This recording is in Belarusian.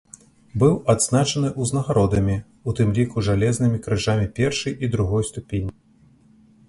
Быў адзначаны ўзнагародамі, у тым ліку жалезнымі крыжамі першай і другой ступені.